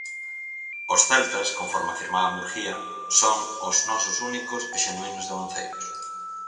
Os celtas, conforme afirmaba Murguía, son "os nosos únicos e xenuínos devanceiros".